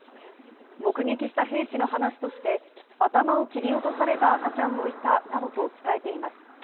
目撃した兵士の話として、頭を切り落とされた赤ちゃんもいたなどと伝えています。